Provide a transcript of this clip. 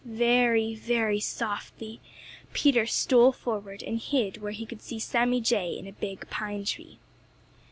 Very, very softly Peter stole forward and hid where he could see Sammy Jay in a big pine tree.